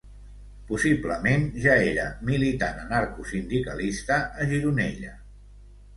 Possiblement ja era militant anarcosindicalista a Gironella.